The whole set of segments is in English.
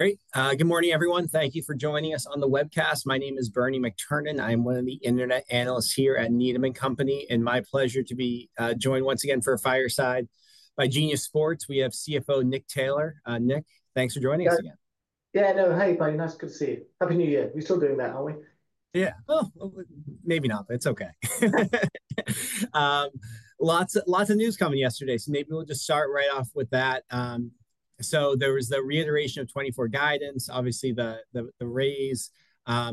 Great. Good morning, everyone. Thank you for joining us on the webcast. My name is Bernie McTernan. I'm one of the internet analysts here at Needham & Company. And my pleasure to be joined once again for a fireside by Genius Sports. We have CFO Nick Taylor. Nick, thanks for joining us again. Yeah, no, hey, buddy. Nice to see you. Happy New Year. We're still doing that, aren't we? Yeah. Well, maybe not, but it's okay. Lots of news coming yesterday, so maybe we'll just start right off with that, so there was the reiteration of 2024 guidance, obviously the raise.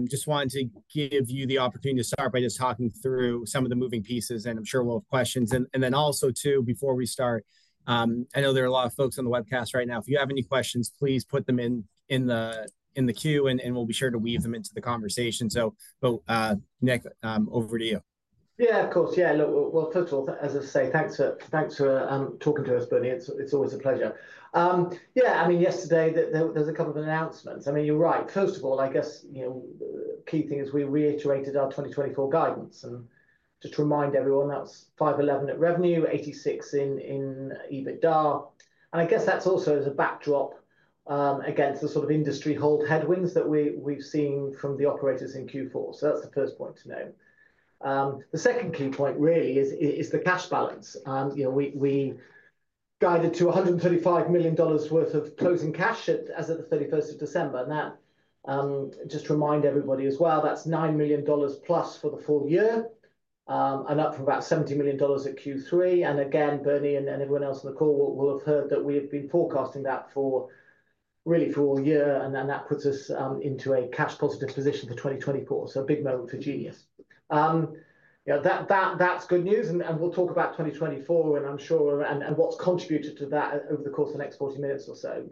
Just wanted to give you the opportunity to start by just talking through some of the moving pieces, and I'm sure we'll have questions, and then also, too, before we start, I know there are a lot of folks on the webcast right now. If you have any questions, please put them in the queue, and we'll be sure to weave them into the conversation, so, Nick, over to you. Yeah, of course. Yeah. Well, first of all, as I say, thanks for talking to us, Bernie. It's always a pleasure. Yeah, I mean, yesterday, there were a couple of announcements. I mean, you're right. First of all, I guess the key thing is we reiterated our 2024 guidance. And just to remind everyone, that's $511 million in revenue, $86 million in EBITDA. And I guess that's also as a backdrop against the sort of industry-wide headwinds that we've seen from the operators in Q4. So that's the first point to note. The second key point, really, is the cash balance. We guided to $135 million worth of closing cash as of the 31st of December. And just to remind everybody as well, that's $9 million plus for the full year and up from about $70 million at Q3. Again, Bernie and everyone else on the call will have heard that we have been forecasting that for really for all year, and that puts us into a cash-positive position for 2024. A big moment for Genius. That's good news. We'll talk about 2024, and I'm sure, and what's contributed to that over the course of the next 40 minutes or so.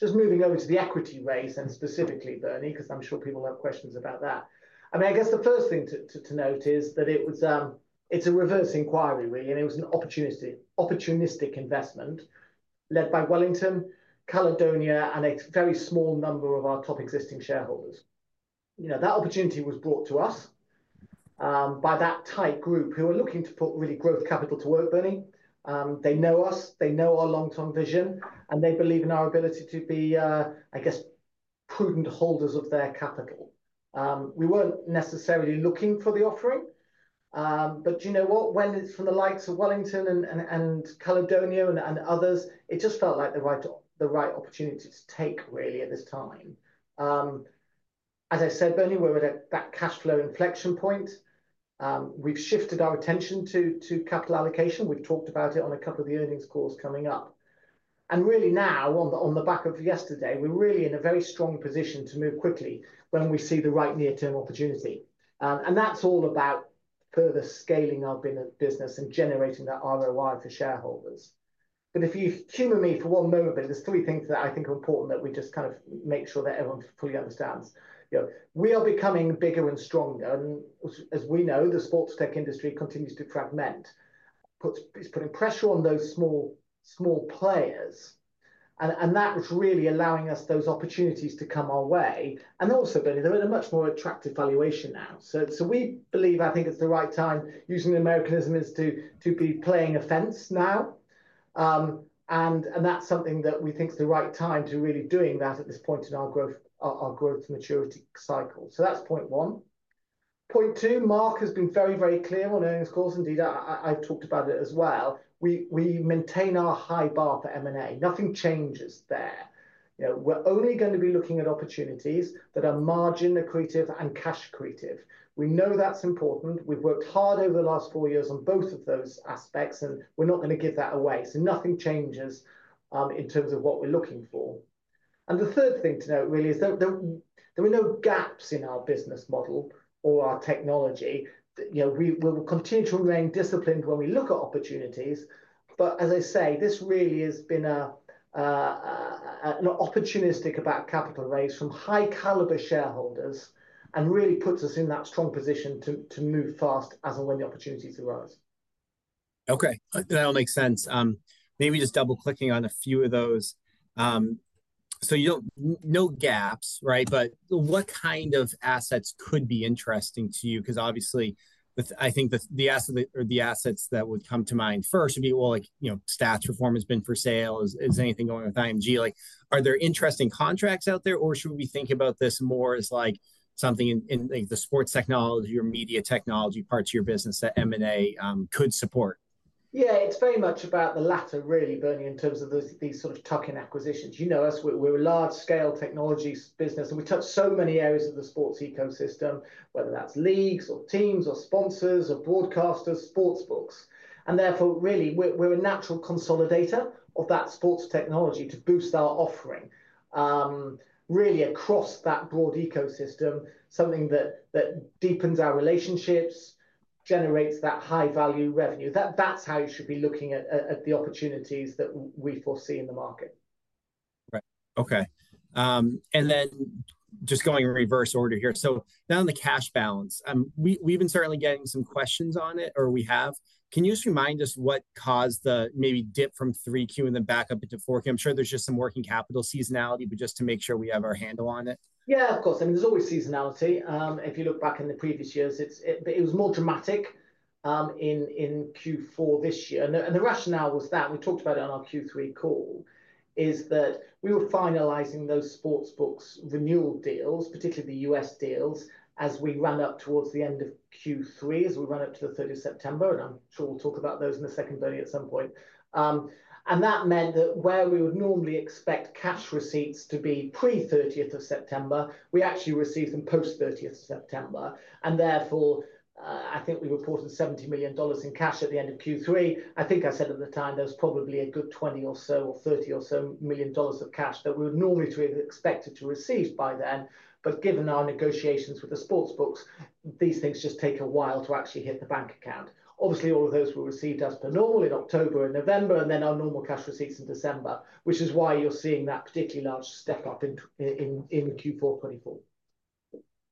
Just moving over to the equity raise, and specifically, Bernie, because I'm sure people have questions about that. I mean, I guess the first thing to note is that it's a reverse inquiry, really. It was an opportunistic investment led by Wellington, Caledonia, and a very small number of our top existing shareholders. That opportunity was brought to us by that tight group who are looking to put really growth capital to work, Bernie. They know us. They know our long-term vision. And they believe in our ability to be, I guess, prudent holders of their capital. We weren't necessarily looking for the offering. But do you know what? When it's from the likes of Wellington and Caledonia and others, it just felt like the right opportunity to take, really, at this time. As I said, Bernie, we're at that cash flow inflection point. We've shifted our attention to capital allocation. We've talked about it on a couple of the earnings calls coming up. And really now, on the back of yesterday, we're really in a very strong position to move quickly when we see the right near-term opportunity. And that's all about further scaling our business and generating that ROI for shareholders. But if you humor me for one moment, there's three things that I think are important that we just kind of make sure that everyone fully understands. We are becoming bigger and stronger, and as we know, the sports tech industry continues to fragment. It's putting pressure on those small players, and that's really allowing us those opportunities to come our way, and also, Bernie, they're at a much more attractive valuation now, so we believe, I think it's the right time, using the Americanism, to be playing offense now, and that's something that we think is the right time to really be doing that at this point in our growth maturity cycle, so that's point one. Point two, Mark has been very, very clear on earnings calls. Indeed, I've talked about it as well. We maintain our high bar for M&A. Nothing changes there. We're only going to be looking at opportunities that are margin accretive and cash accretive. We know that's important. We've worked hard over the last four years on both of those aspects, and we're not going to give that away. So nothing changes in terms of what we're looking for. And the third thing to note, really, is there were no gaps in our business model or our technology. We will continue to remain disciplined when we look at opportunities. But as I say, this really has been an opportunistic capital raise from high-caliber shareholders and really puts us in that strong position to move fast as and when the opportunities arise. Okay. That all makes sense. Maybe just double-clicking on a few of those. So no gaps, right? But what kind of assets could be interesting to you? Because obviously, I think the assets that would come to mind first would be, well, Stats Perform has been for sale. Is anything going with IMG? Are there interesting contracts out there? Or should we think about this more as something in the sports technology or media technology parts of your business that M&A could support? Yeah, it's very much about the latter, really, Bernie, in terms of these sort of tuck-in acquisitions. You know us. We're a large-scale technology business, and we touch so many areas of the sports ecosystem, whether that's leagues or teams or sponsors or broadcasters, sports books. And therefore, really, we're a natural consolidator of that sports technology to boost our offering, really, across that broad ecosystem, something that deepens our relationships, generates that high-value revenue. That's how you should be looking at the opportunities that we foresee in the market. Right. Okay, and then just going in reverse order here, so now on the cash balance, we've been certainly getting some questions on it, or we have. Can you just remind us what caused the maybe dip from 3Q and then back up into 4Q? I'm sure there's just some working capital seasonality, but just to make sure we have our handle on it. Yeah, of course. I mean, there's always seasonality. If you look back in the previous years, it was more dramatic in Q4 this year. And the rationale was that, and we talked about it on our Q3 call, is that we were finalizing those sports books renewal deals, particularly the U.S. deals, as we run up towards the end of Q3, as we run up to the 30th of September. And I'm sure we'll talk about those in a second, Bernie, at some point. And that meant that where we would normally expect cash receipts to be pre-30th of September, we actually received them post-30th of September. And therefore, I think we reported $70 million in cash at the end of Q3. I think I said at the time there was probably a good $20 million or so or $30 million or so of cash that we would normally have expected to receive by then. But given our negotiations with the sports books, these things just take a while to actually hit the bank account. Obviously, all of those were received as per normal in October and November, and then our normal cash receipts in December, which is why you're seeing that particularly large step up in Q4 2024.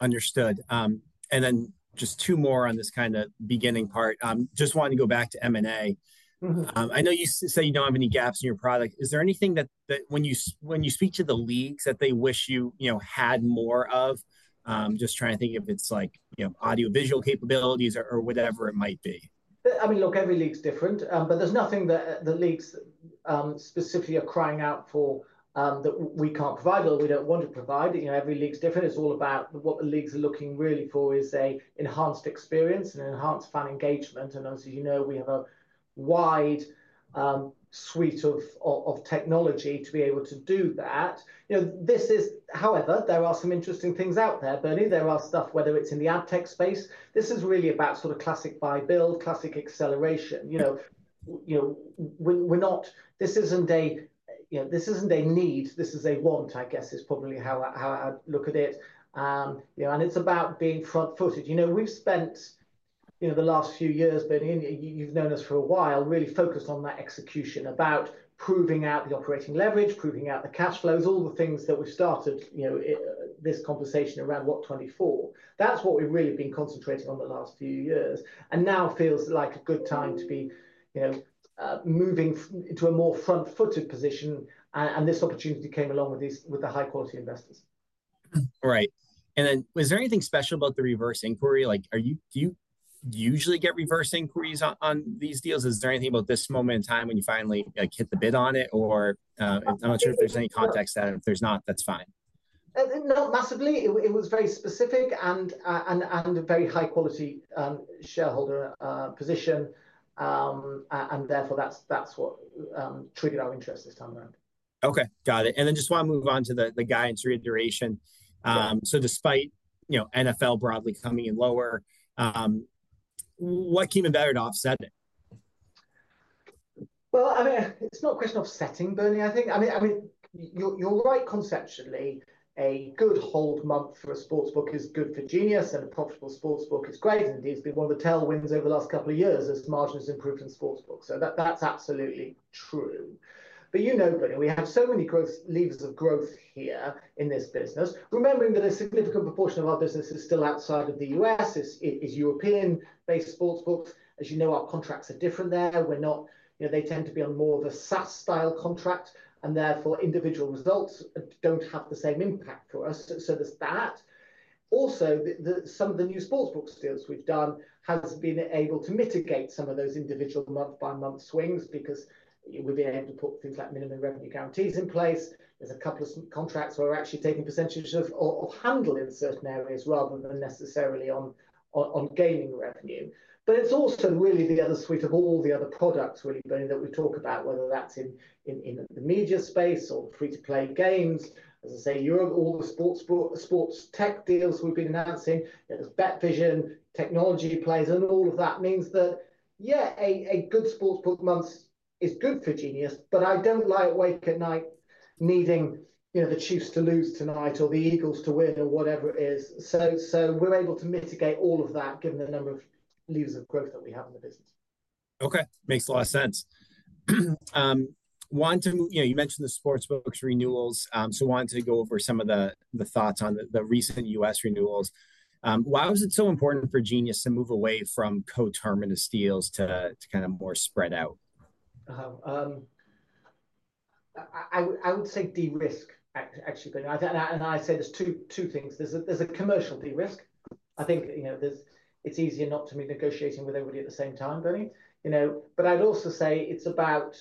Understood. And then just two more on this kind of beginning part. Just wanted to go back to M&A. I know you say you don't have any gaps in your product. Is there anything that when you speak to the leagues that they wish you had more of? Just trying to think if it's like audio-visual capabilities or whatever it might be. I mean, look, every league's different, but there's nothing that the leagues specifically are crying out for that we can't provide or we don't want to provide. Every league's different. It's all about what the leagues are looking really for is an enhanced experience and enhanced fan engagement, and as you know, we have a wide suite of technology to be able to do that. However, there are some interesting things out there, Bernie. There are stuff, whether it's in the ad tech space. This is really about sort of classic buy-build, classic acceleration. This isn't a need. This is a want, I guess, is probably how I'd look at it, and it's about being front-footed. We've spent the last few years, Bernie, and you've known us for a while, really focused on that execution about proving out the operating leverage, proving out the cash flows, all the things that we've started this conversation around what, 2024? That's what we've really been concentrating on the last few years, and now feels like a good time to be moving into a more front-footed position, and this opportunity came along with the high-quality investors. Right, and then was there anything special about the reverse inquiry? Do you usually get reverse inquiries on these deals? Is there anything about this moment in time when you finally hit the bid on it, or I'm not sure if there's any context to that, and if there's not, that's fine. Not massively. It was very specific and a very high-quality shareholder position, and therefore, that's what triggered our interest this time around. Okay. Got it. And then just want to move on to the guidance reiteration. So despite NFL broadly coming in lower, what came about it to offset it? I mean, it's not a question of offsetting, Bernie, I think. I mean, you're right conceptually. A good hold month for a sportsbook is good for Genius, and a profitable sportsbook is great. It's been one of the tailwinds over the last couple of years as margins improve in sportsbooks. That's absolutely true. You know, Bernie, we have so many levers of growth here in this business. Remembering that a significant proportion of our business is still outside of the U.S., is European-based sportsbooks. As you know, our contracts are different there. They tend to be on more of a SaaS-style contract. Therefore, individual results don't have the same impact for us. There's that. Also, some of the new sports book deals we've done have been able to mitigate some of those individual month-by-month swings because we've been able to put things like minimum revenue guarantees in place. There's a couple of contracts where we're actually taking percentages of handle in certain areas rather than necessarily on gaming revenue. But it's also really the other suite of all the other products, really, Bernie, that we talk about, whether that's in the media space or free-to-play games. As I say, all the sports tech deals we've been announcing, there's BetVision, technology plays, and all of that means that, yeah, a good sports book month is good for Genius. But I don't lie awake at night needing the Chiefs to lose tonight or the Eagles to win or whatever it is. So we're able to mitigate all of that given the number of levers of growth that we have in the business. Okay. Makes a lot of sense. You mentioned the sports book renewals. So I wanted to go over some of the thoughts on the recent U.S. renewals. Why was it so important for Genius to move away from co-terminus deals to kind of more spread out? I would say de-risk, actually, and I say there's two things. There's a commercial de-risk. I think it's easier not to be negotiating with everybody at the same time, Bernie, but I'd also say it's about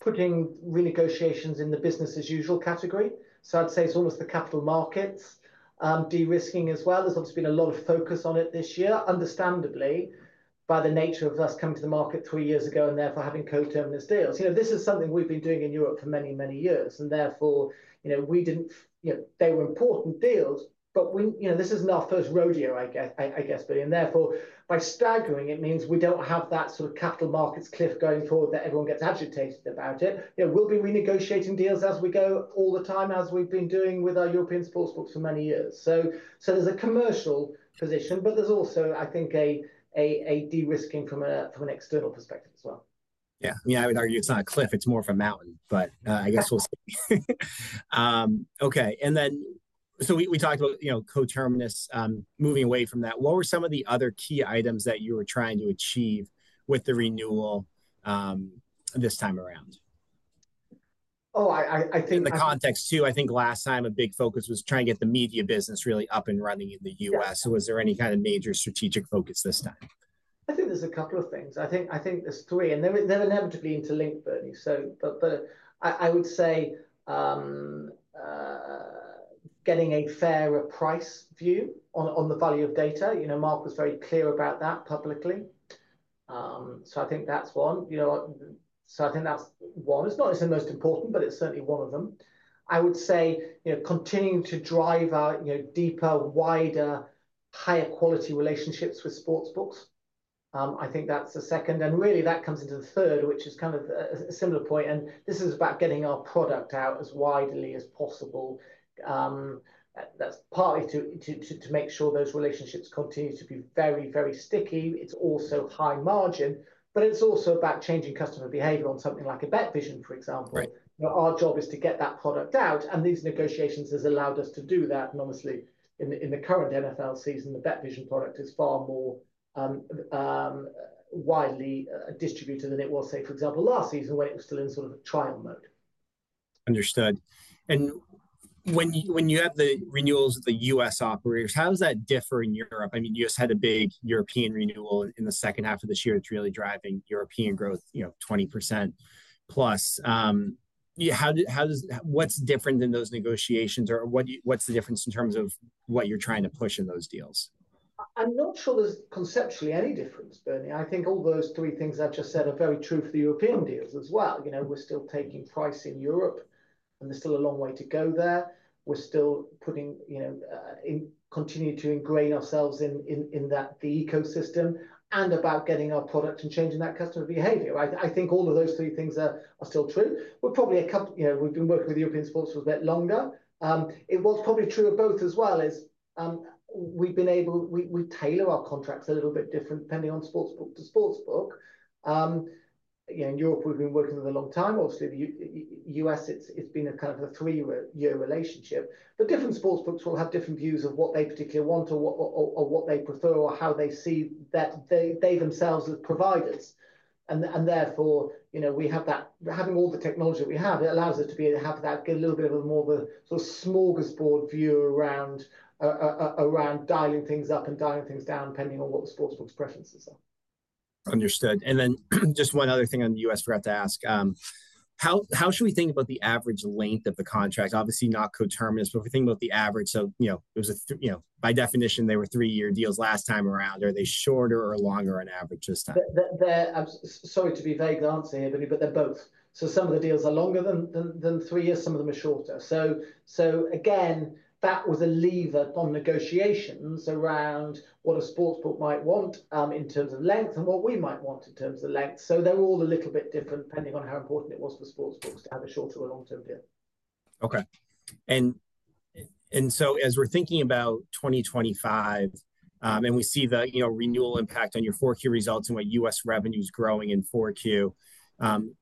putting renegotiations in the business-as-usual category, so I'd say it's almost the capital markets de-risking as well. There's obviously been a lot of focus on it this year, understandably, by the nature of us coming to the market three years ago and therefore having co-terminus deals. This is something we've been doing in Europe for many, many years, and therefore, they were important deals, but this isn't our first rodeo, I guess, Bernie, and therefore, by staggering, it means we don't have that sort of capital markets cliff going forward that everyone gets agitated about it. We'll be renegotiating deals as we go all the time, as we've been doing with our European sportsbooks for many years. So there's a commercial position, but there's also, I think, a de-risking from an external perspective as well. Yeah. I mean, I would argue it's not a cliff. It's more of a mountain. But I guess we'll see. Okay. And then so we talked about co-terminus, moving away from that. What were some of the other key items that you were trying to achieve with the renewal this time around? Oh, I think. In the context too, I think last time a big focus was trying to get the media business really up and running in the U.S. So was there any kind of major strategic focus this time? I think there's a couple of things. I think there's three. And they're inevitably interlinked, Bernie. So I would say getting a fairer price view on the value of data. Mark was very clear about that publicly. So I think that's one. It's not necessarily most important, but it's certainly one of them. I would say continuing to drive our deeper, wider, higher-quality relationships with sports books. I think that's the second. And really, that comes into the third, which is kind of a similar point. And this is about getting our product out as widely as possible. That's partly to make sure those relationships continue to be very, very sticky. It's also high margin. But it's also about changing customer behavior on something like a BetVision, for example. Our job is to get that product out. These negotiations have allowed us to do that. Obviously, in the current NFL season, the BetVision product is far more widely distributed than it was, say, for example, last season when it was still in sort of trial mode. Understood and when you have the renewals of the U.S. operators, how does that differ in Europe? I mean, you just had a big European renewal in the second half of this year. It's really driving European growth 20% plus. What's different in those negotiations? Or what's the difference in terms of what you're trying to push in those deals? I'm not sure there's conceptually any difference, Bernie. I think all those three things I just said are very true for the European deals as well. We're still taking price in Europe, and there's still a long way to go there. We're still continuing to ingrain ourselves in the ecosystem and about getting our product and changing that customer behavior. I think all of those three things are still true. We've been working with European sports for a bit longer. It was probably true of both as well. We've been able to tailor our contracts a little bit different depending on sportsbook to sportsbook. In Europe, we've been working with a long time. Obviously, the U.S., it's been a kind of a three-year relationship, but different sportsbooks will have different views of what they particularly want or what they prefer or how they see themselves as providers. And therefore, having all the technology that we have, it allows us to have that little bit of a more of a smorgasbord view around dialing things up and dialing things down depending on what the sportsbook's preferences are. Understood. And then just one other thing on the U.S., forgot to ask. How should we think about the average length of the contract? Obviously, not co-terminus, but if we think about the average, so by definition, they were three-year deals last time around. Are they shorter or longer on average this time? Sorry to be vague answering here, Bernie, but they're both. So some of the deals are longer than three years. Some of them are shorter. So again, that was a lever on negotiations around what a sportsbook might want in terms of length and what we might want in terms of length. So they're all a little bit different depending on how important it was for sportsbooks to have a shorter or long-term deal. Okay. And so as we're thinking about 2025, and we see the renewal impact on your 4Q results and what U.S. revenue's growing in 4Q,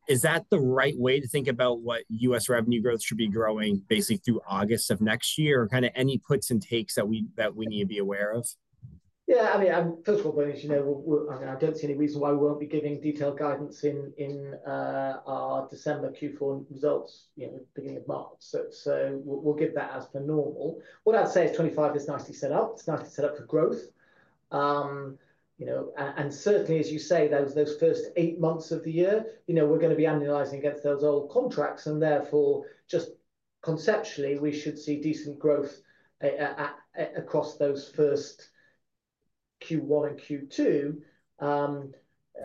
is that the right way to think about what U.S. revenue growth should be growing basically through August of next year? Or kind of any puts and takes that we need to be aware of? Yeah. I mean, first of all, Bernie, I don't see any reason why we won't be giving detailed guidance in our December Q4 results at the beginning of March. So we'll give that as per normal. What I'd say is 2025 is nicely set up. It's nicely set up for growth. And certainly, as you say, those first eight months of the year, we're going to be annualizing against those old contracts. And therefore, just conceptually, we should see decent growth across those first Q1 and Q2.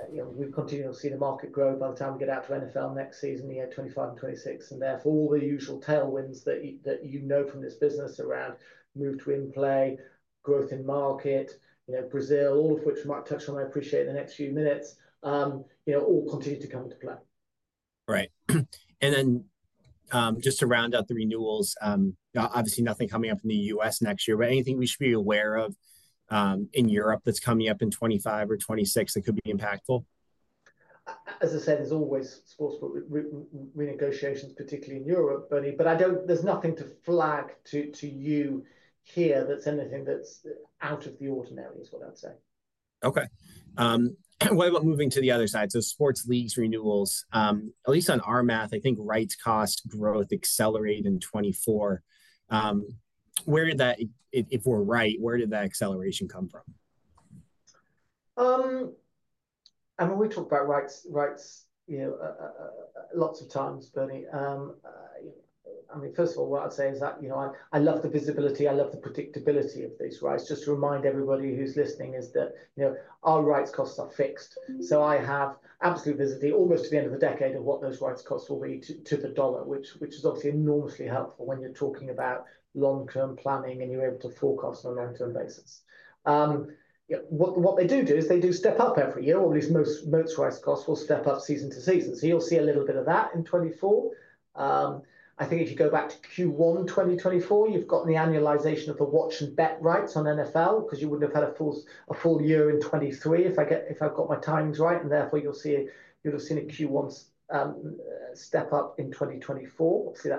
We'll continue to see the market grow by the time we get out to NFL next season, year 2025 and 2026. And therefore, all the usual tailwinds that you know from this business around move-to-in-play, growth in market, Brazil, all of which Mark touched on, I appreciate in the next few minutes, all continue to come into play. Right. And then just to round out the renewals, obviously, nothing coming up in the U.S. next year. But anything we should be aware of in Europe that's coming up in 2025 or 2026 that could be impactful? As I say, there's always sportsbook renegotiations, particularly in Europe, Bernie. But there's nothing to flag to you here that's anything that's out of the ordinary is what I'd say. Okay. What about moving to the other side? So sports leagues renewals, at least on our math, I think rights cost growth accelerate in 2024. If we're right, where did that acceleration come from? I mean, we talk about rights lots of times, Bernie. I mean, first of all, what I'd say is that I love the visibility. I love the predictability of these rights. Just to remind everybody who's listening, that our rights costs are fixed. So I have absolute visibility almost to the end of the decade of what those rights costs will be to the dollar, which is obviously enormously helpful when you're talking about long-term planning and you're able to forecast on a long-term basis. What they do do is they do step up every year, or at least most rights costs will step up season to season. So you'll see a little bit of that in 2024. I think if you go back to Q1 2024, you've got the annualization of the watch and bet rights on NFL because you wouldn't have had a full year in 2023 if I got my timings right, and therefore, you'll see a Q1 step up in 2024. Obviously,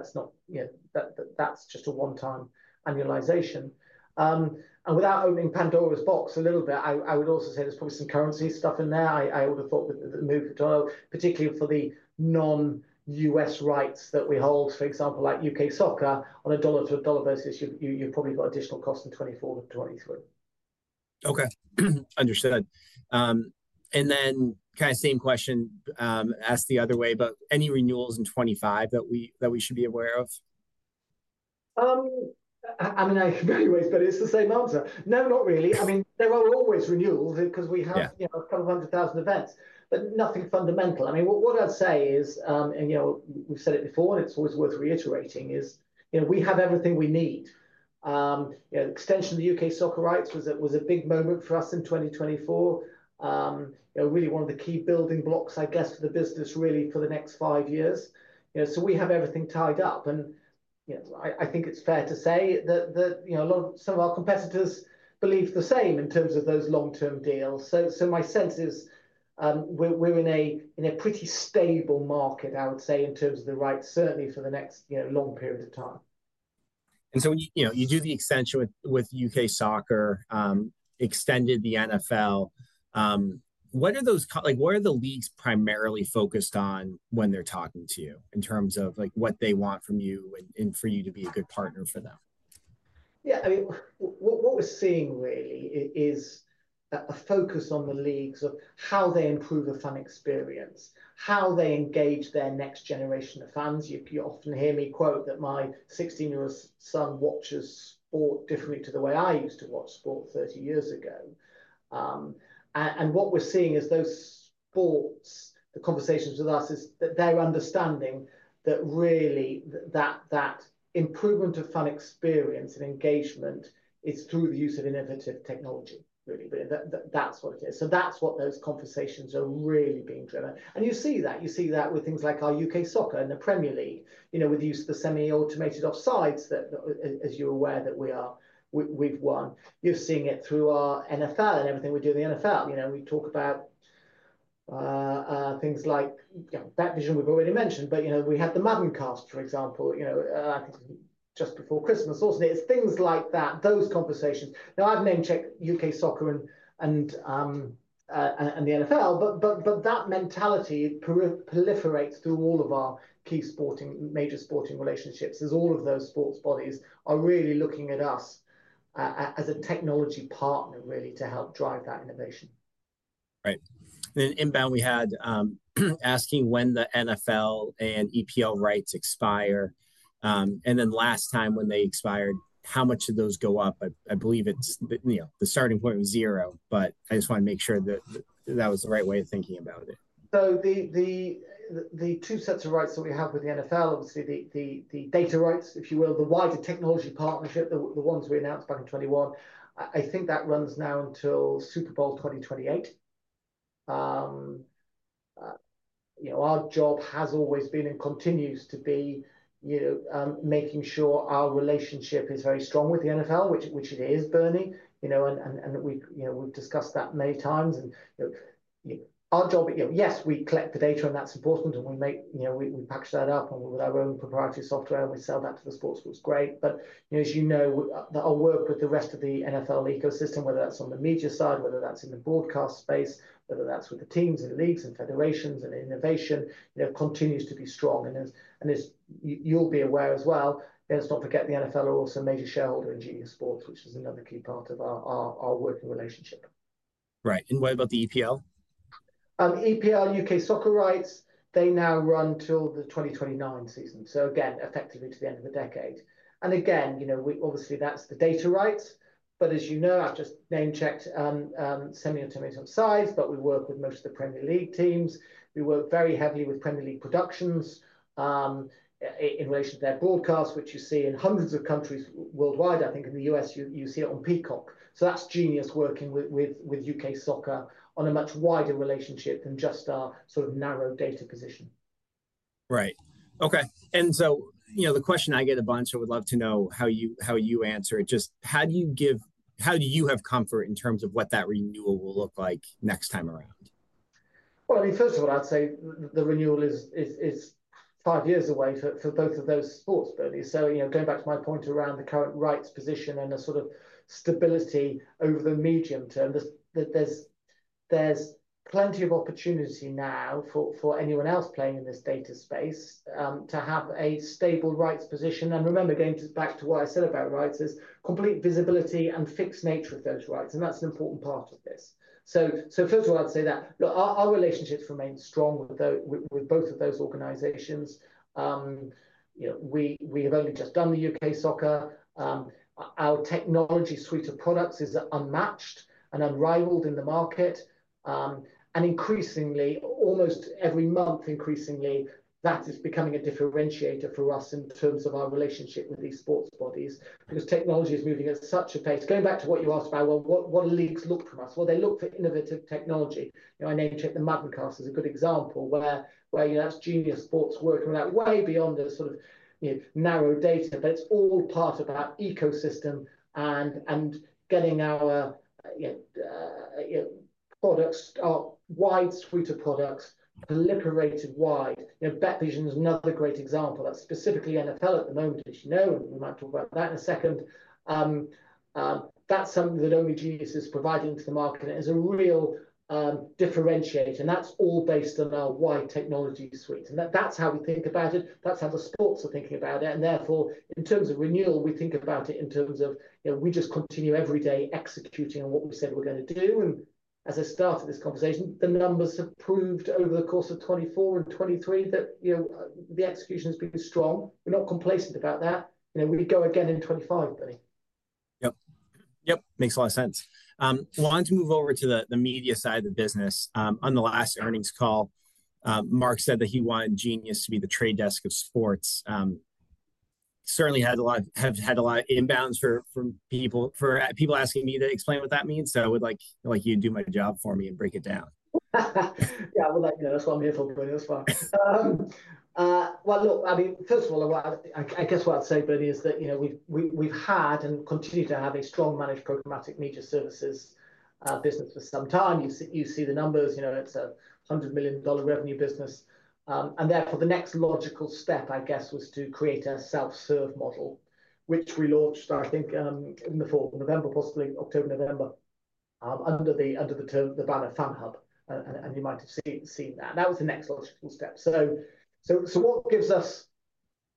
that's just a one-time annualization, and without opening Pandora's box a little bit, I would also say there's probably some currency stuff in there. I would have thought with the move to dollar, particularly for the non-U.S. rights that we hold, for example, like U.K. soccer on a dollar-to-dollar basis, you've probably got additional costs in 2024 to 2023. Okay. Understood. And then kind of same question asked the other way, but any renewals in 2025 that we should be aware of? I mean, I should be anyways, but it's the same answer. No, not really. I mean, there are always renewals because we have a couple of hundred thousand events, but nothing fundamental. I mean, what I'd say is, and we've said it before, and it's always worth reiterating, is we have everything we need. Extension of the UK soccer rights was a big moment for us in 2024, really one of the key building blocks, I guess, for the business really for the next five years. So we have everything tied up, and I think it's fair to say that some of our competitors believe the same in terms of those long-term deals, so my sense is we're in a pretty stable market, I would say, in terms of the rights, certainly for the next long period of time. And so you do the extension with U.K. soccer, extended the NFL. What are the leagues primarily focused on when they're talking to you in terms of what they want from you and for you to be a good partner for them? Yeah. I mean, what we're seeing really is a focus on the leagues of how they improve a fan experience, how they engage their next generation of fans. You often hear me quote that my 16-year-old son watches sport differently to the way I used to watch sport 30 years ago. And what we're seeing is those sports, the conversations with us, is that they're understanding that really that improvement of fan experience and engagement is through the use of innovative technology, really. That's what it is. So that's what those conversations are really being driven. And you see that. You see that with things like our UK soccer and the Premier League, with the use of the semi-automated offside that, as you're aware, we've won. You're seeing it through our NFL and everything we do in the NFL. We talk about things like BetVision, we've already mentioned, but we had the MaddenCast, for example, just before Christmas, wasn't it? It's things like that, those conversations. Now, I've name-checked UK soccer and the NFL, but that mentality proliferates through all of our key major sporting relationships as all of those sports bodies are really looking at us as a technology partner, really, to help drive that innovation. Right. And then inbound, we had asking when the NFL and EPL rights expire. And then last time when they expired, how much did those go up? I believe the starting point was zero, but I just want to make sure that that was the right way of thinking about it. So the two sets of rights that we have with the NFL, obviously, the data rights, if you will, the wider technology partnership, the ones we announced back in 2021, I think that runs now until Super Bowl 2028. Our job has always been and continues to be making sure our relationship is very strong with the NFL, which it is, Bernie. And we've discussed that many times. And our job, yes, we collect the data, and that's important. And we package that up with our own proprietary software, and we sell that to the sports books. Great. But as you know, our work with the rest of the NFL ecosystem, whether that's on the media side, whether that's in the broadcast space, whether that's with the teams and leagues and federations and innovation, continues to be strong. As you'll be aware as well, let's not forget the NFL are also a major shareholder in Genius Sports, which is another key part of our working relationship. Right. And what about the EPL? EPL, UK soccer rights, they now run till the 2029 season. So again, effectively to the end of the decade. And again, obviously, that's the data rights. But as you know, I've just name-checked semi-automated offside, but we work with most of the Premier League teams. We work very heavily with Premier League Productions in relation to their broadcast, which you see in hundreds of countries worldwide. I think in the U.S., you see it on Peacock. So that's Genius working with UK soccer on a much wider relationship than just our sort of narrow data position. Right. Okay, and so the question I get a bunch. I would love to know how you answer it. Just how do you have comfort in terms of what that renewal will look like next time around? Well, I mean, first of all, I'd say the renewal is five years away for both of those sports, Bernie. So going back to my point around the current rights position and the sort of stability over the medium term, there's plenty of opportunity now for anyone else playing in this data space to have a stable rights position. And remember, going back to what I said about rights, there's complete visibility and fixed nature of those rights. And that's an important part of this. So first of all, I'd say that our relationships remain strong with both of those organizations. We have only just done the UK soccer. Our technology suite of products is unmatched and unrivaled in the market. Increasingly, almost every month, increasingly, that is becoming a differentiator for us in terms of our relationship with these sports bodies because technology is moving at such a pace. Going back to what you asked about, well, what do leagues look for us? Well, they look for innovative technology. I name-checked the MaddenCast as a good example where that's Genius Sports working way beyond the sort of narrow data, but it's all part of our ecosystem and getting our products, our wide suite of products proliferated wide. BetVision is another great example. That's specifically NFL at the moment, as you know, and we might talk about that in a second. That's something that only Genius is providing to the market. It is a real differentiator. That's all based on our wide technology suite. That's how we think about it. That's how the sports are thinking about it. And therefore, in terms of renewal, we think about it in terms of we just continue every day executing on what we said we're going to do. And as I started this conversation, the numbers have proved over the course of 2024 and 2023 that the execution has been strong. We're not complacent about that. We go again in 2025, Bernie. Yep. Yep. Makes a lot of sense. Wanting to move over to the media side of the business, on the last earnings call, Mark said that he wanted Genius to be the trade desk of sports. Certainly had a lot of inbounds from people asking me to explain what that means. So I would like you to do my job for me and break it down. Yeah. That's what I'm here for, Bernie. That's fine. Well, look, I mean, first of all, I guess what I'd say, Bernie, is that we've had and continue to have a strong managed programmatic media services business for some time. You see the numbers. It's a $100 million revenue business. And therefore, the next logical step, I guess, was to create a self-serve model, which we launched, I think, in the fall, November, possibly October, November, under the banner FanHub. And you might have seen that. That was the next logical step. So what gives us,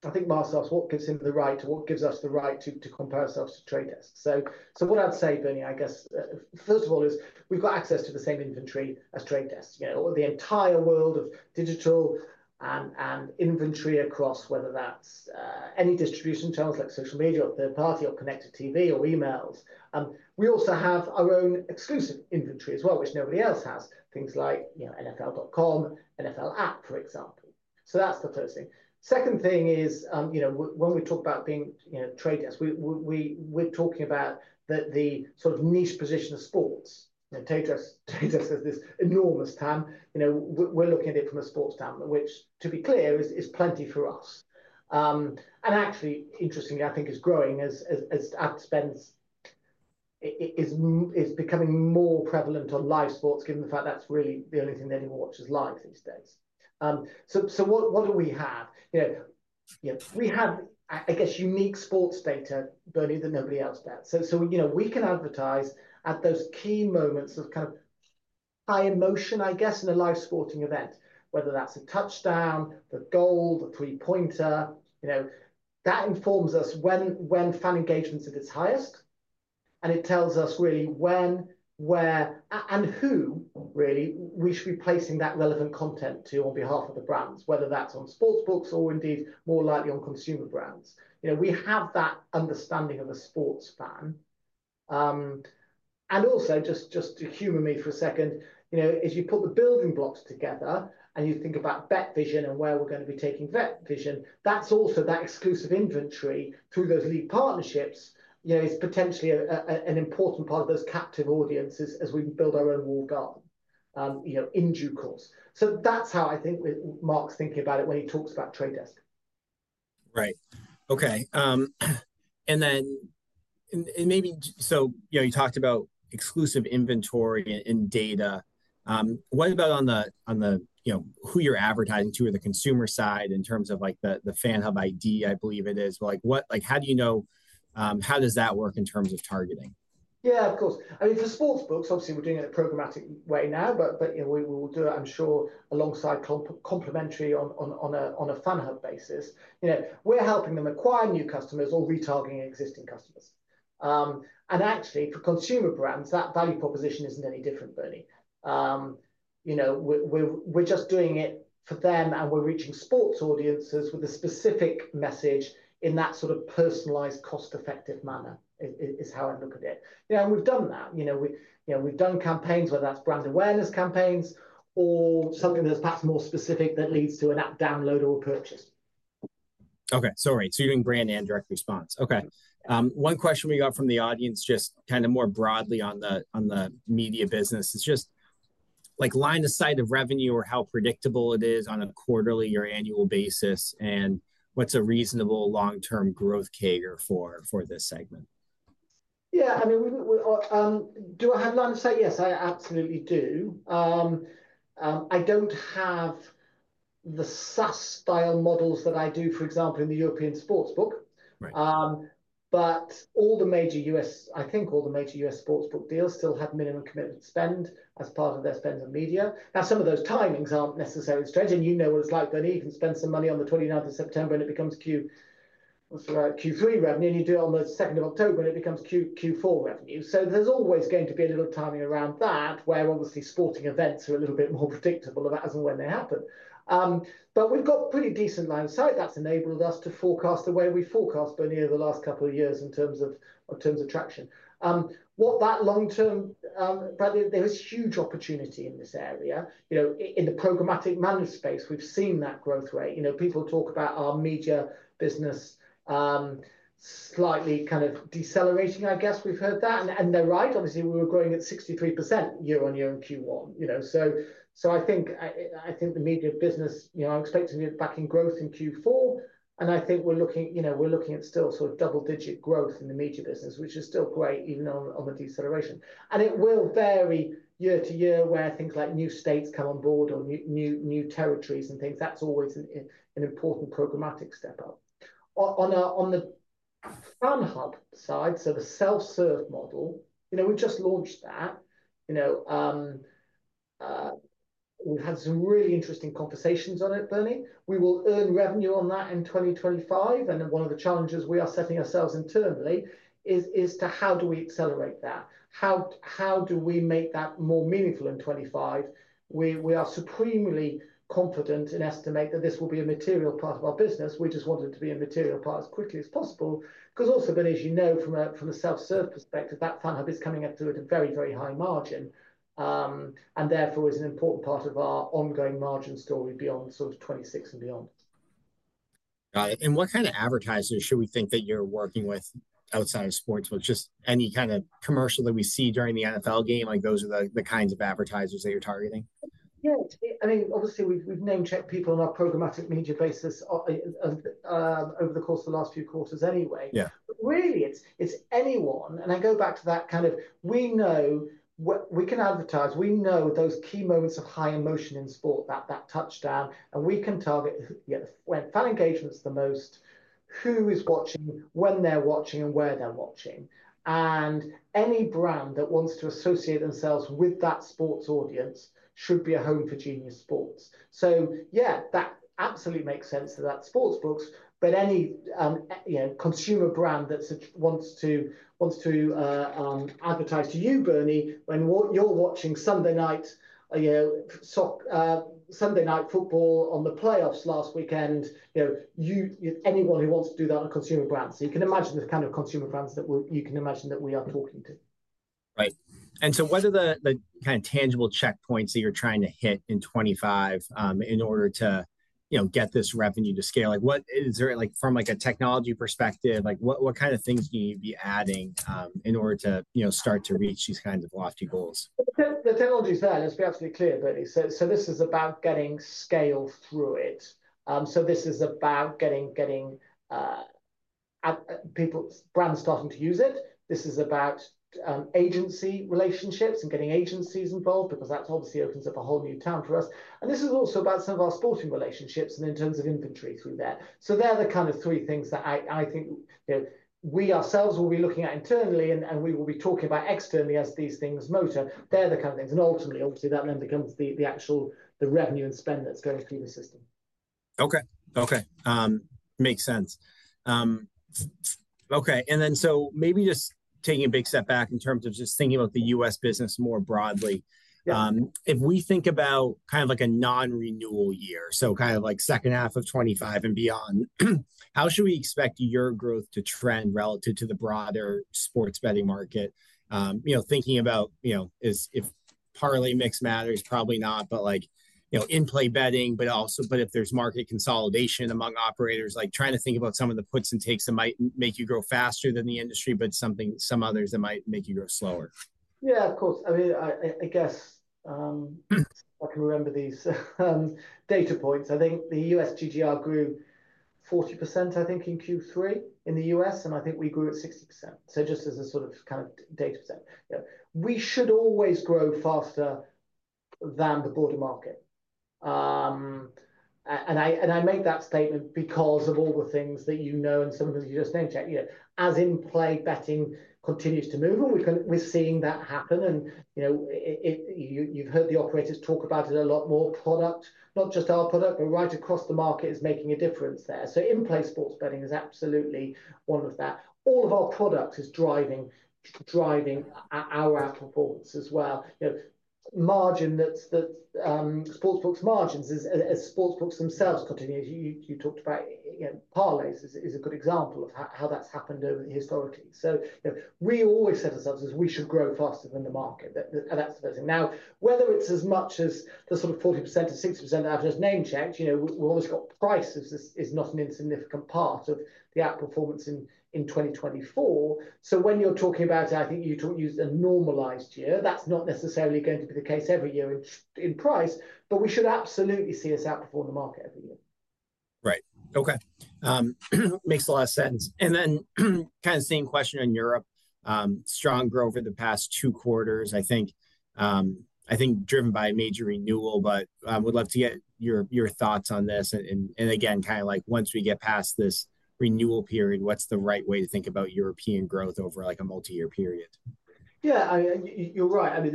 I think, Mark's asked, what gives him the right or what gives us the right to compare ourselves to The Trade Desk? So what I'd say, Bernie, I guess, first of all, is we've got access to the same inventory as TradeDesk, the entire world of digital and inventory across, whether that's any distribution channels like social media or third party or connected TV or emails. We also have our own exclusive inventory as well, which nobody else has, things like NFL.com, NFL app, for example. So that's the first thing. Second thing is when we talk about being TradeDesk, we're talking about the sort of niche position of sports. The TradeDesk has this enormous TAM. We're looking at it from a sports TAM, which, to be clear, is plenty for us. And actually, interestingly, I think it's growing as ad spend is becoming more prevalent on live sports, given the fact that's really the only thing that anyone watches live these days. So what do we have? We have, I guess, unique sports data, Bernie, that nobody else does. So we can advertise at those key moments of kind of high emotion, I guess, in a live sporting event, whether that's a touchdown, the goal, the three-pointer. That informs us when fan engagement is at its highest. And it tells us really when, where, and who, really, we should be placing that relevant content to on behalf of the brands, whether that's on sports books or indeed more likely on consumer brands. We have that understanding of a sports fan. And also, just to humor me for a second, as you put the building blocks together and you think about BetVision and where we're going to be taking BetVision, that's also that exclusive inventory through those league partnerships is potentially an important part of those captive audiences as we build our own walled garden in due course. So that's how I think Mark's thinking about it when he talks about The Trade Desk. Right. Okay. And then maybe so you talked about exclusive inventory and data. What about on who you're advertising to, the consumer side in terms of the FanHub ID, I believe it is? How do you know how does that work in terms of targeting? Yeah, of course. I mean, for sports books, obviously, we're doing it in a programmatic way now, but we will do it, I'm sure, alongside complementary on a FanHub basis. We're helping them acquire new customers or retargeting existing customers. And actually, for consumer brands, that value proposition isn't any different, Bernie. We're just doing it for them, and we're reaching sports audiences with a specific message in that sort of personalized, cost-effective manner is how I look at it. And we've done that. We've done campaigns, whether that's brand awareness campaigns or something that's perhaps more specific that leads to an app download or a purchase. Okay. Sorry. So you mean brand and direct response. Okay. One question we got from the audience just kind of more broadly on the media business is just line of sight of revenue or how predictable it is on a quarterly or annual basis and what's a reasonable long-term growth rate for this segment? Yeah. I mean, do I have line of sight? Yes, I absolutely do. I don't have the SaaS-style models that I do, for example, in the European sportsbook. But all the major U.S., I think all the major U.S. sportsbook deals still have minimum commitment spend as part of their spend on media. Now, some of those timings aren't necessarily strange. And you know what it's like, Bernie. You can spend some money on the 29th of September, and it becomes Q3 revenue. And you do it on the 2nd of October, and it becomes Q4 revenue. So there's always going to be a little timing around that where obviously sporting events are a little bit more predictable as and when they happen. But we've got pretty decent line of sight. That's enabled us to forecast the way we forecast, Bernie, over the last couple of years in terms of traction. What that long-term, there is huge opportunity in this area. In the programmatic media space, we've seen that growth rate. People talk about our media business slightly kind of decelerating, I guess. We've heard that. And they're right. Obviously, we were growing at 63% year-on-year in Q1. So I think the media business, I'm expecting it back in growth in Q4. And I think we're looking at still sort of double-digit growth in the media business, which is still great, even on the deceleration. And it will vary year to year where things like new states come on board or new territories and things. That's always an important programmatic step up. On the FanHub side, so the self-serve model, we just launched that. We've had some really interesting conversations on it, Bernie. We will earn revenue on that in 2025. And one of the challenges we are setting ourselves internally is to how do we accelerate that? How do we make that more meaningful in 2025? We are supremely confident and estimate that this will be a material part of our business. We just want it to be a material part as quickly as possible. Because also, Bernie, as you know, from a self-serve perspective, that FanHub is coming at it at a very, very high margin. And therefore, it's an important part of our ongoing margin story beyond sort of 2026 and beyond. Got it, and what kind of advertisers should we think that you're working with outside of sports? Just any kind of commercial that we see during the NFL game, those are the kinds of advertisers that you're targeting? Yeah. I mean, obviously, we've name-checked people on our programmatic media basis over the course of the last few quarters anyway. But really, it's anyone. And I go back to that kind of we know we can advertise. We know those key moments of high emotion in sport, that touchdown. And we can target when fan engagement's the most, who is watching, when they're watching, and where they're watching. And any brand that wants to associate themselves with that sports audience should be a home for Genius Sports. So yeah, that absolutely makes sense to that sports books. But any consumer brand that wants to advertise to you, Bernie, when you're watching Sunday Night Football on the playoffs last weekend, anyone who wants to do that are consumer brands. So you can imagine the kind of consumer brands that you can imagine that we are talking to. Right. And so what are the kind of tangible checkpoints that you're trying to hit in 2025 in order to get this revenue to scale? From a technology perspective, what kind of things do you need to be adding in order to start to reach these kinds of lofty goals? The technology side, let's be absolutely clear, Bernie. So this is about getting scale through it. So this is about getting brands starting to use it. This is about agency relationships and getting agencies involved because that obviously opens up a whole new ton for us. And this is also about some of our sporting relationships and in terms of inventory through there. So they're the kind of three things that I think we ourselves will be looking at internally, and we will be talking about externally as these things motor. They're the kind of things. And ultimately, obviously, that then becomes the actual revenue and spend that's going through the system. Okay. Okay. Makes sense. Okay, and then so maybe just taking a big step back in terms of just thinking about the U.S. business more broadly. If we think about kind of like a non-renewal year, so kind of like second half of 2025 and beyond, how should we expect your growth to trend relative to the broader sports betting market? Thinking about if parlay mix matters, probably not, but in-play betting, but if there's market consolidation among operators, trying to think about some of the puts and takes that might make you grow faster than the industry, but some others that might make you grow slower. Yeah, of course. I mean, I guess I can remember these data points. I think the US GGR grew 40%, I think, in Q3 in the US, and I think we grew at 60%. So just as a sort of kind of data point. We should always grow faster than the broader market, and I make that statement because of all the things that you know and some of the things you just name-checked. As in-play betting continues to move, and we're seeing that happen, and you've heard the operators talk about it a lot more. Product, not just our product, but right across the market is making a difference there. So in-play sports betting is absolutely one of that. All of our product is driving our outcome performance as well. Margin that sportsbooks margins as sportsbooks themselves continue. You talked about parlays, is a good example of how that's happened over historically. So we always set ourselves as we should grow faster than the market. And that's the first thing. Now, whether it's as much as the sort of 40%-60% that I've just name-checked, we've always got price is not an insignificant part of the outperformance in 2024. So when you're talking about it, I think you used a normalized year. That's not necessarily going to be the case every year in price, but we should absolutely see us outperform the market every year. Right. Okay. Makes a lot of sense. And then kind of same question on Europe. Strong growth over the past two quarters, I think, driven by major renewal, but would love to get your thoughts on this. And again, kind of like once we get past this renewal period, what's the right way to think about European growth over a multi-year period? Yeah, I mean, you're right. I mean,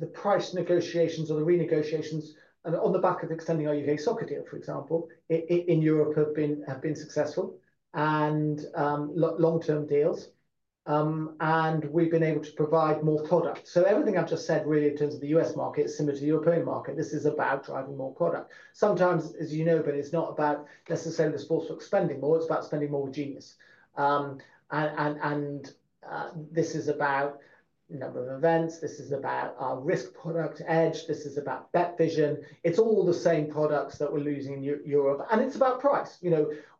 the price negotiations or the renegotiations on the back of extending our U.K. soccer deal, for example, in Europe have been successful and long-term deals, and we've been able to provide more product, so everything I've just said really in terms of the U.S. market is similar to the European market. This is about driving more product. Sometimes, as you know, Bernie, it's not about necessarily the sportsbook spending more. It's about spending more with Genius. And this is about number of events. This is about our risk product Edge. This is about BetVision. It's all the same products that we're using in Europe. And it's about price.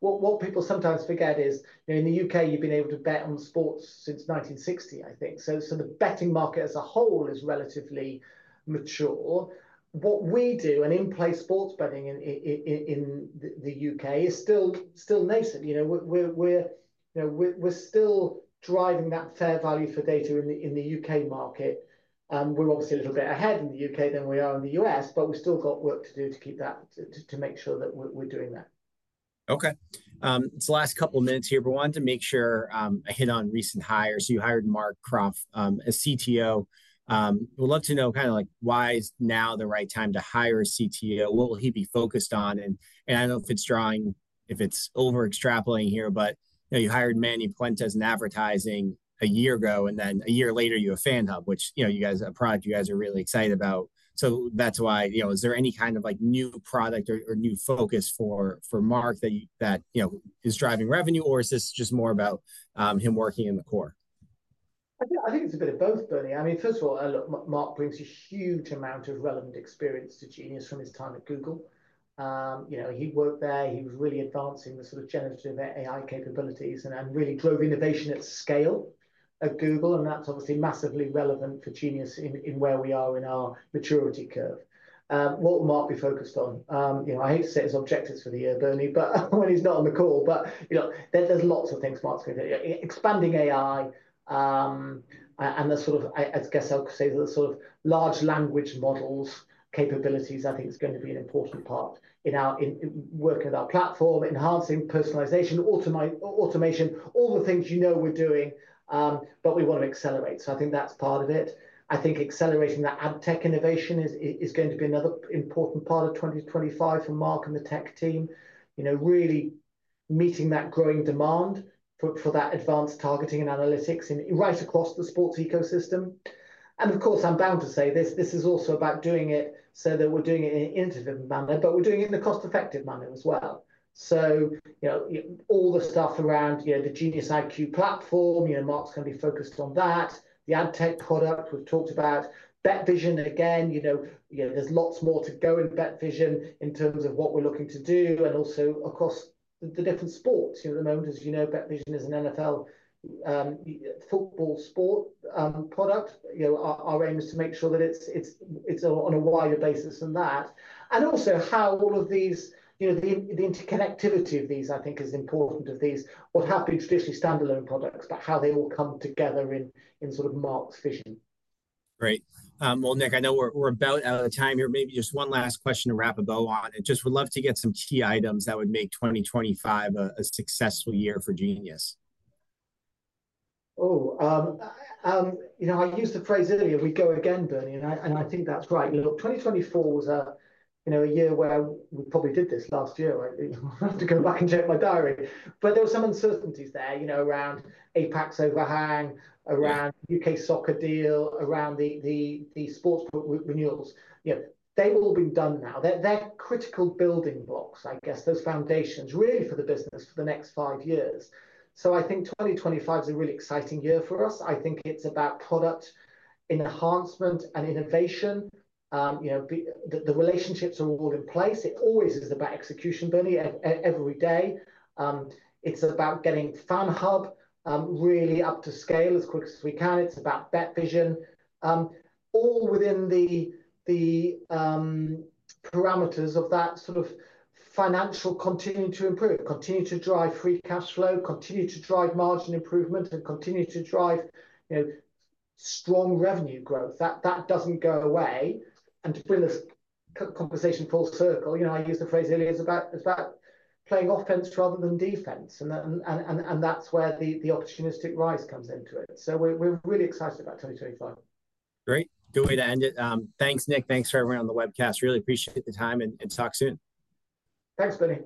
What people sometimes forget is in the U.K., you've been able to bet on sports since 1960, I think, so the betting market as a whole is relatively mature. What we do and in-play sports betting in the U.K. is still nascent. We're still driving that fair value for data in the U.K. market. We're obviously a little bit ahead in the U.K. than we are in the U.S., but we've still got work to do to make sure that we're doing that. Okay. It's the last couple of minutes here, but I wanted to make sure I hit on recent hires. You hired Mark Kropft, a CTO. We'd love to know kind of why is now the right time to hire a CTO? What will he be focused on? And I don't know if it's drawing, if it's over-extrapolating here, but you hired Manny Puentes in advertising a year ago, and then a year later, you have FanHub, which is a product you guys are really excited about. So that's why. Is there any kind of new product or new focus for Mark that is driving revenue, or is this just more about him working in the core? I think it's a bit of both, Bernie. I mean, first of all, Mark brings a huge amount of relevant experience to Genius from his time at Google. He worked there. He was really advancing the sort of generative AI capabilities and really drove innovation at scale at Google, and that's obviously massively relevant for Genius in where we are in our maturity curve. What will Mark be focused on? I hate to say his objectives for the year, Bernie, but when he's not on the call, but there's lots of things Mark's going to do. Expanding AI and, I guess I'll say, the sort of large language models capabilities, I think it's going to be an important part in working with our platform, enhancing personalization, automation, all the things you know we're doing, but we want to accelerate, so I think that's part of it. I think accelerating that ad tech innovation is going to be another important part of 2025 for Mark and the tech team, really meeting that growing demand for that advanced targeting and analytics right across the sports ecosystem, and of course, I'm bound to say this. This is also about doing it so that we're doing it in an innovative manner, but we're doing it in the cost-effective manner as well, so all the stuff around the GeniusIQ platform, Mark's going to be focused on that. The ad tech product we've talked about, BetVision again. There's lots more to go in BetVision in terms of what we're looking to do and also across the different sports. At the moment, as you know, BetVision is an NFL football sport product. Our aim is to make sure that it's on a wider basis than that. And also how all of these, the interconnectivity of these, I think, is important of these. What have been traditionally standalone products, but how they all come together in sort of Mark's vision. Great. Well, Nick, I know we're about out of time here. Maybe just one last question to wrap a bow on, and just would love to get some key items that would make 2025 a successful year for Genius. Oh, I used the phrase earlier, we go again, Bernie. And I think that's right. Look, 2024 was a year where we probably did this last year. I have to go back and check my diary. But there were some uncertainties there around Apax's overhang, around the UK soccer deal, around the sports book renewals. They've all been done now. They're critical building blocks, I guess, those foundations really for the business for the next five years. So I think 2025 is a really exciting year for us. I think it's about product enhancement and innovation. The relationships are all in place. It always is about execution, Bernie, every day. It's about getting FanHub really up to scale as quick as we can. It's about BetVision, all within the parameters of that sort of financials continuing to improve, continuing to drive free cash flow, continuing to drive margin improvement, and continuing to drive strong revenue growth. That doesn't go away, and to bring this conversation full circle, I used the phrase earlier. It's about playing offense rather than defense, and that's where the opportunistic raise comes into it, so we're really excited about 2025. Great. Good way to end it. Thanks, Nick. Thanks for everyone on the webcast. Really appreciate the time and talk soon. Thanks, Bernie.